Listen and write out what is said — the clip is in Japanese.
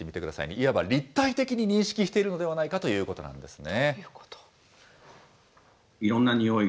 いわば立体的に認識しているのではないかということなんですね。